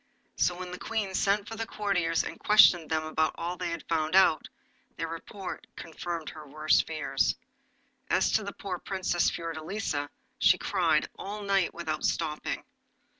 So when the Queen sent for the courtiers and questioned them about all they had found out, their report confirmed her worst fears. As to the poor Princess Fiordelisa, she cried all night without stopping.